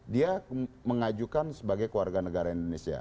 dia mengajukan sebagai keluarga negara indonesia